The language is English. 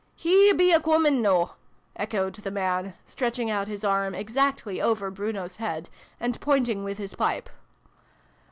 " He be a coomin noo!" echoed the man, stretching out his arm exactly over Bruno's head, and pointing with his pipe.